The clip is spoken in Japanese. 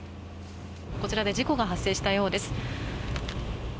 こちらで事故が発生したようです。